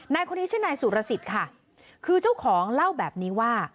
นายคนนี้ชื่อนายสุรสิทธิ์ค่ะคือเจ้าของเล่าแบบนี้ว่า